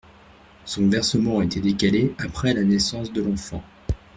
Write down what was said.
Son versement a été décalé après la naissance de l’enfant.